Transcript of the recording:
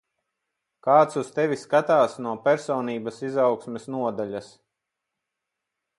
Kāds uz tevi skatās no personības izaugsmes nodaļas.